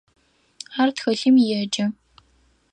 Ар тхылъым еджэ.